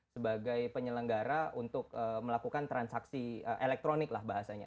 sebagai penyelenggara untuk melakukan transaksi elektronik lah bahasanya